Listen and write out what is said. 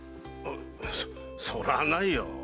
そそれはないよ。